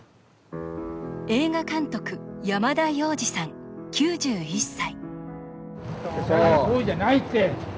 映画監督、山田洋次さん９１歳。